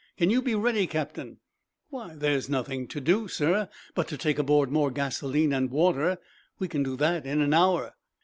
Can you be ready, Captain?" "Why, there's nothing to do, sir, but to take aboard more gasoline and water. We can do that in an hour."